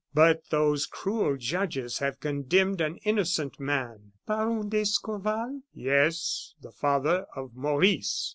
But those cruel judges have condemned an innocent man " "Baron d'Escorval?" "Yes the father of Maurice!"